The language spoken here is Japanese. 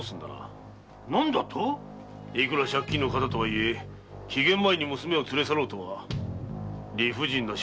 何だと⁉いくら借金の形とはいえ期限前に娘を連れ去ろうとは理不尽な所業だ。